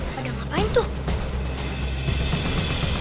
pada ngapain tuh